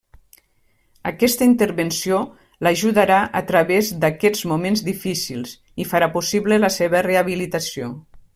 Aquesta intervenció l'ajudarà a través d'aquests moments difícils i farà possible la seva rehabilitació.